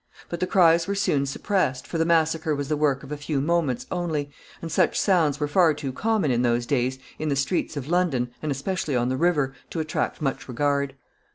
But the cries were soon suppressed, for the massacre was the work of a few moments only, and such sounds were far too common in those days in the streets of London, and especially on the river, to attract much regard.